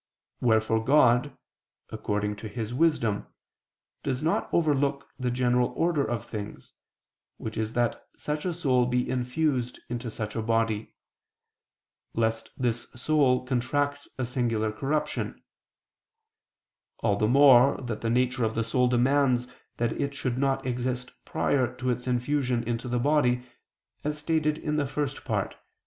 Wherefore God, according to His wisdom, does not overlook the general order of things (which is that such a soul be infused into such a body), lest this soul contract a singular corruption: all the more that the nature of the soul demands that it should not exist prior to its infusion into the body, as stated in the First Part (Q.